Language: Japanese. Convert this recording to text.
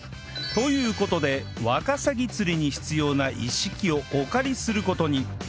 という事でワカサギ釣りに必要な一式をお借りする事に